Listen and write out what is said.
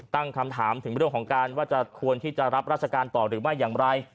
ตั้งคำถามถึงเรื่องของการว่าจะควรที่จะรับราชการต่อหรือไม่อย่างไร